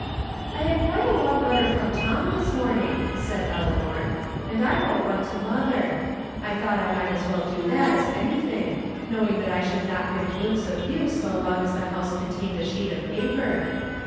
" I had quite a long letter . from Tom this morning," said Eleanor, " and I wrote one to mother. I thought I might as well do that as anything, knowing that I should not get a glimpse of you so long as the house contained a sheet of paper.